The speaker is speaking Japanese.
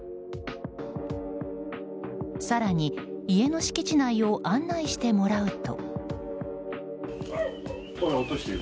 更に、家の敷地内を案内してもらうと。